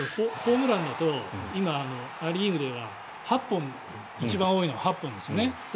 ホームランだとア・リーグでは一番多いのは８本ですよね。